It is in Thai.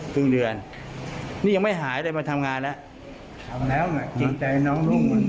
ทำงานแล้วทำแล้วไงจริงใจน้องพวกมัน